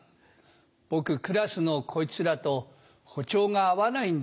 僕クラスのこいつらと歩調が合わないんだ。